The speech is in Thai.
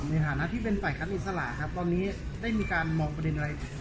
ในฐานะที่เป็นฝ่ายค้านอิสระครับตอนนี้ได้มีการมองประเด็นอะไร